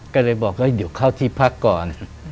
ก็เลยบอกว่าเดี๋ยวเข้าที่พักก่อน